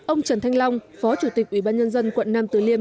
ông trần thanh long phó chủ tịch ủy ban nhân dân quận nam tử liêm